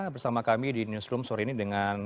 bersama kami di newsroom sore ini dengan